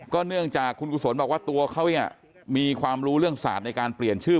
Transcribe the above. เนื่องจากคุณกุศลบอกว่าตัวเขาเนี่ยมีความรู้เรื่องศาสตร์ในการเปลี่ยนชื่อ